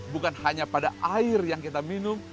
bukan hanya pada air yang kita minum